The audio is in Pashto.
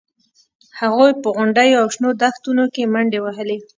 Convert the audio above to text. هغوی په غونډیو او شنو دښتونو کې منډې وهلې